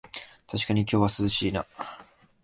たしかに今日は涼しいな